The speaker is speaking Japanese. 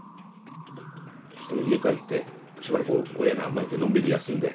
そしたら家帰ってしばらく親に甘えてのんびり休んで。